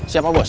siap pak bos